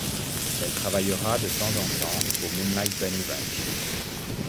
Elle travaillera de temps en temps au Moonlite Bunny Ranch.